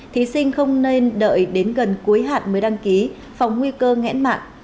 thí sinh không nên đợi đến gần cuối hạn mới đăng ký phòng nguy cơ ngẽn mạng